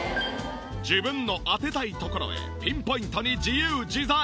自分の当てたいところへピンポイントに自由自在！